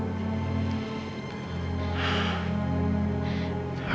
aku ada di samping kamu